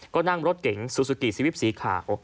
ก็นั่งรถเก๋งซูซูกิสวิปสีขาว